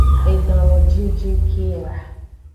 Edan lo jinjin ke a!